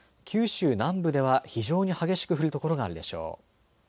九州南部では非常に激しく降る所があるでしょう。